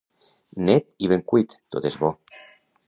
Net i ben cuit, tot és bo.